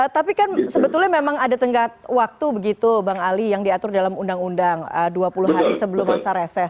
tapi kan sebetulnya memang ada tenggat waktu begitu bang ali yang diatur dalam undang undang dua puluh hari sebelum masa reses